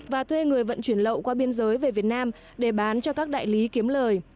và thuê người vận chuyển lậu qua biên giới về việt nam để bán cho các đại lý kiếm lời